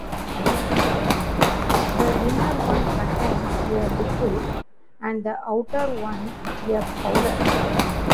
The inner one contains a liquid and the outer one a powder.